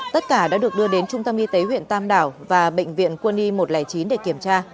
tất cả đã được đưa đến trung tâm y tế huyện tam đảo và bệnh viện quân y một trăm linh chín để kiểm tra